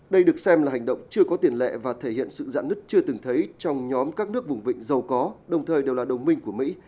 đây được xem là hành động chưa có tiền lệ và thể hiện sự giãn nứt chưa từng thấy trong nhóm các nước vùng vịnh giàu có đồng thời đều là đồng minh của mỹ